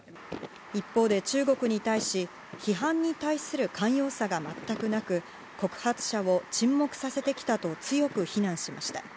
一方で中国に対し、批判に対する寛容さが全くなく、告発者を沈黙させてきたと強く非難しました。